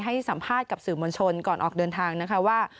ให้สัมภาษณ์กับสื่อมวลชนก่อนออกเดินทางนะคะว่า